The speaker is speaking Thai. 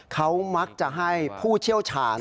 เขามักจะให้ผู้เชี่ยวชาญ